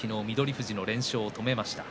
富士の連勝を止めました。